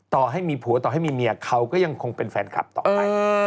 ต่อให้มีผัวต่อให้มีเมียเขาก็ยังคงเป็นแฟนคลับต่อไป